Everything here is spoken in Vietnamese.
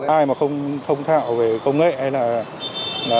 ai mà không thông thạo về công nghệ hay là